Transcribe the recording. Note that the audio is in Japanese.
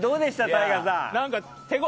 ＴＡＩＧＡさん。